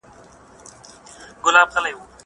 زه به اوږده موده اوبه پاکې کړې وم!!